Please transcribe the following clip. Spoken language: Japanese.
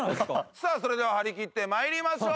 さあそれでは張り切って参りましょう！